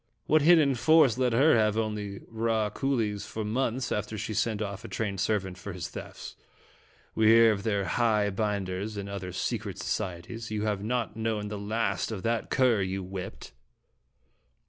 What hid den force let her have only raw coolies for months after she sent off a trained servant for his thefts? We hear of their 'high binders' and other secret societies. You have not known the last of that cur you whipped."